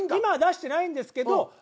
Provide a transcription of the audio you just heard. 今は出してないですけど。